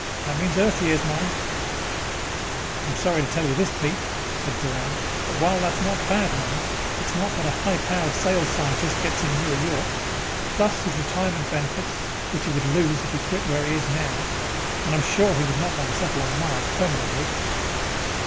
That's Earth years, mind you." "I'm sorry to tell you this, Pete," said Doran, "but while that is not bad money, it is not what a high powered sales scientist gets in Newer York. Plus his retirement benefits, which he would lose if he quit where he is now at. And I am sure he would not want to settle on Mars permanently."